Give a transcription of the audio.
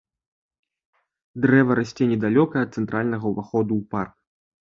Дрэва расце недалёка ад цэнтральнага ўваходу ў парк.